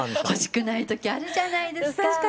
ほしくない時あるじゃないですか。